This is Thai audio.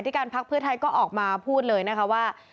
การพักเพื่อไทยก็ออกมาพูดเลยนะคะว่า